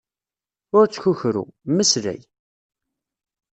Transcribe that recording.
Ur ttkukru. Mmeslay.